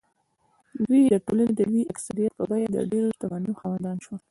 دوی د ټولنې د لوی اکثریت په بیه د ډېرو شتمنیو خاوندان شول.